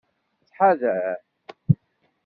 Ttḥadar.